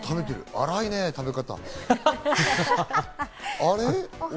荒いね、食べ方。